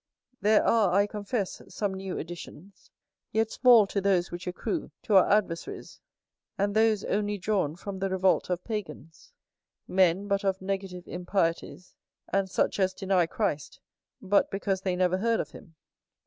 There are, I confess, some new additions; yet small to those which accrue to our adversaries; and those only drawn from the revolt of pagans; men but of negative impieties; and such as deny Christ, but because they never heard of him.